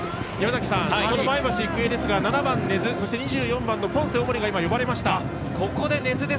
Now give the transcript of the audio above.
前橋育英ですが、７番・根津、そして２４番のポンセ尾森が呼ばれました。